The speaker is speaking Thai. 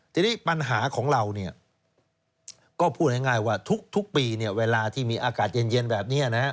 ทีนี้ปัญหาของเราก็พูดง่ายว่าทุกปีเวลาที่มีอากาศเย็นแบบนี้